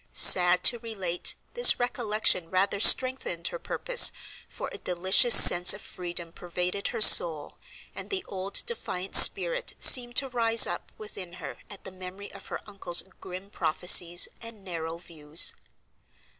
Sad to relate, this recollection rather strengthened her purpose, for a delicious sense of freedom pervaded her soul, and the old defiant spirit seemed to rise up within her at the memory of her Uncle's grim prophecies and narrow views.